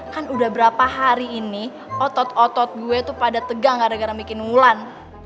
kan udah berapa hari ini otot otot gue tuh pada tegang gara gara bikin mulan